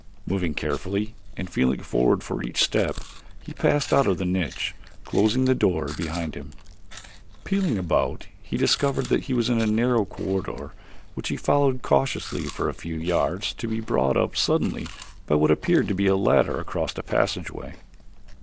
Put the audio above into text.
Moving carefully and feeling forward for each step he passed out of the niche, closing the door behind him. Feeling about, he discovered that he was in a narrow corridor which he followed cautiously for a few yards to be brought up suddenly by what appeared to be a ladder across the passageway.